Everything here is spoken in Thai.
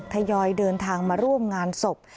ทยอยเดินทางมาร่วมงานศพ